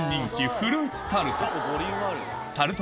フルーツタルトタルト